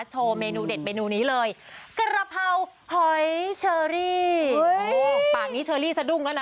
โชว์เมนูเด็ดเมนูนี้เลยกระเพราหอยเชอรี่โอ้โหปากนี้เชอรี่สะดุ้งแล้วนะ